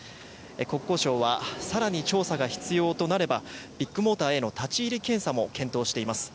国交省は更に調査が必要となればビッグモーターへの立ち入り検査も検討しています。